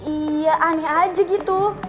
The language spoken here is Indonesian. iya aneh aja gitu